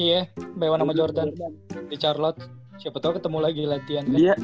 iya baywan sama jordan di charlotte siapa tau ketemu lagi latihan